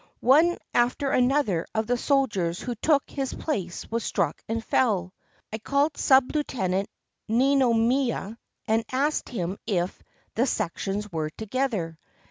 One after another of the soldiers who took his place was struck and fell. I called Sub Lieutenant Ninomiya and asked him if the sections were together.